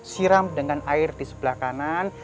siram dengan air di sebelah kanan